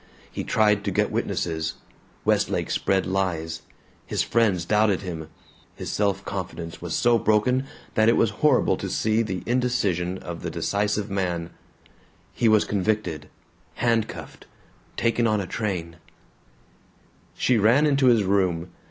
He tried to get witnesses; Westlake spread lies; his friends doubted him; his self confidence was so broken that it was horrible to see the indecision of the decisive man; he was convicted, handcuffed, taken on a train She ran to his room.